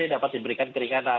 dia dapat diberikan keringanan